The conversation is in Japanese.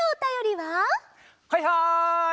はいはい！